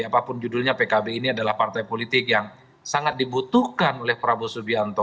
apapun judulnya pkb ini adalah partai politik yang sangat dibutuhkan oleh prabowo subianto